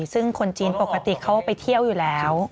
ซึ่งคนจีนปกติเขาไปเที่ยวอยู่แล้ว